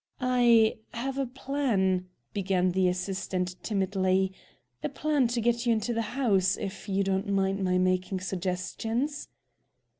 "I have a plan," began the assistant timidly, "a plan to get you into the house if you don't mind my making suggestions?"